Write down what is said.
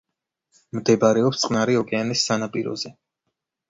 მდებარეობს წყნარი ოკეანის სანაპიროზე.